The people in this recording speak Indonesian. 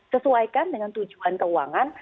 sesuaikan dengan tujuan keuangan